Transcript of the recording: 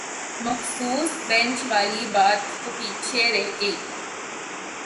مخصوص بینچ والی بات تو پیچھے رہ گئی